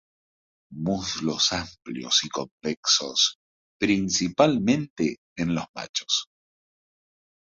Muslos amplios y convexos, principalmente en los machos.